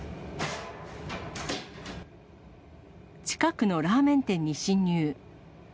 近くのラーメン店に侵入。